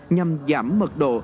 nhằm giảm mật độ